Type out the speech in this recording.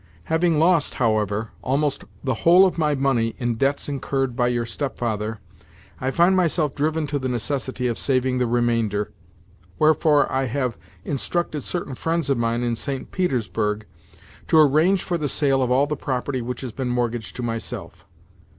Having lost, however, almost the whole of my money in debts incurred by your stepfather, I find myself driven to the necessity of saving the remainder; wherefore, I have instructed certain friends of mine in St. Petersburg to arrange for the sale of all the property which has been mortgaged to myself.